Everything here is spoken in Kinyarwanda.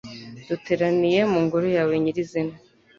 duteraniye mu Ngoro yawe nyirizina